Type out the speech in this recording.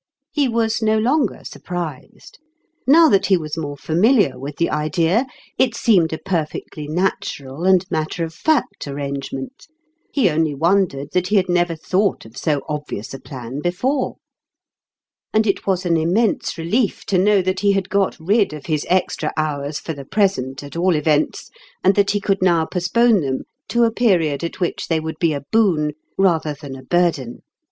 He was no longer sur prised : now that he was more familiar with the idea, it seemed a perfectly natural and matter of fact arrangement ; he only wondered that he had never thought of so obvious a plan before. And it was an immense relief to know that he had got rid of his extra hours for the present, at all events, and that he could now postpone them to a period at which they would be a boon rather than a burden.